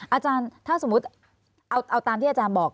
อาจารย์ถ้าสมมุติเอาตามที่อาจารย์บอก